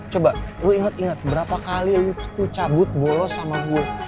coba lo inget inget berapa kali lo cabut bolos sama gue